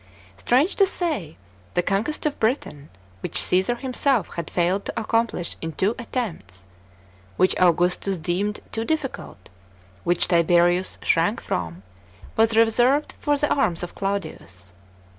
Strange to say, the conquest of Britain, which Caesar himself had failed to accomplish in two attempts, which Augustus deemed too difficult, which Tiberius shrank from, was reserved for the arms of Claudius.